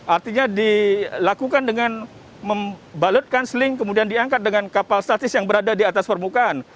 artinya dilakukan dengan membalutkan seling kemudian diangkat dengan kapal statis yang berada di atas permukaan